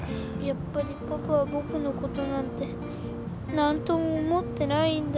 やっぱりパパは僕のことなんて何とも思ってないんだよ。